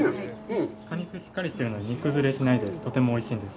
果肉、しっかりしているので、煮崩れしないでとてもおいしいです。